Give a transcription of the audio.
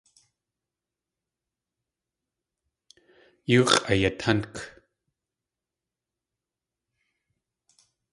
Yoo x̲ʼayatánk.